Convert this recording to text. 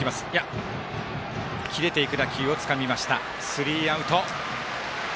スリーアウト。